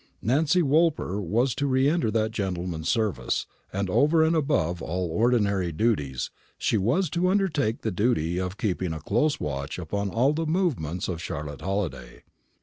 Nancy Woolper was to re enter that gentleman's service, and over and above all ordinary duties, she was to undertake the duty of keeping a close watch upon all the movements of Charlotte Halliday.